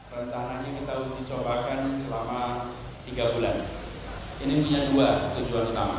rencananya kita uji coba selama tiga bulan